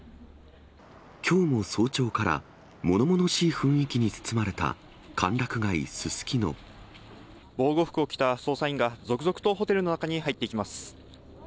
きょうも早朝から、ものものしい雰囲気に包まれた歓楽街、防護服を着た捜査員が、続々とホテルの中に入っていきます。